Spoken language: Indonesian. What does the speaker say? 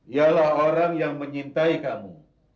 ialah orang yang mencintai kamu